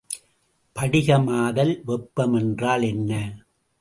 படிகமாதல் வெப்பம் என்றால் என்ன?